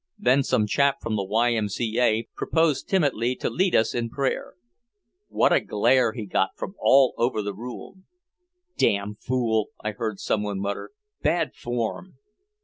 Then some chap from the Y. M. C. A. proposed timidly to lead us in prayer. What a glare he got from all over the room! "Damn fool," I heard someone mutter. Bad form!